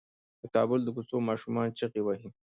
د کابل د کوڅو ماشومان چيغې وهي.